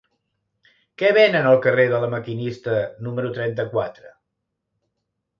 Què venen al carrer de La Maquinista número trenta-quatre?